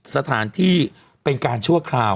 สถานที่เป็นการชั่วคราว